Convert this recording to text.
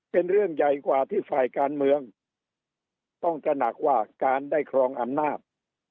เป็นเรื่องใหญ่กว่าที่ฝ่ายการเมืองต้องตระหนักว่าการได้ครองอำนาจ